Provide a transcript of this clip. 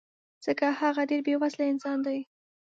ځکه هغه ډېر بې وزله انسان دی